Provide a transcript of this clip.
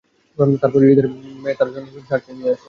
তারপরেও ঈদের সময় মেয়ে তার জন্য নতুন শার্ট কিনে নিয়ে আসে।